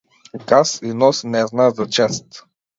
Газ и нос не знаат за чест.